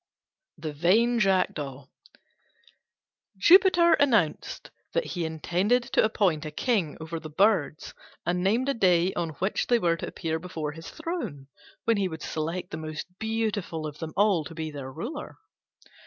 THE VAIN JACKDAW Jupiter announced that he intended to appoint a king over the birds, and named a day on which they were to appear before his throne, when he would select the most beautiful of them all to be their ruler.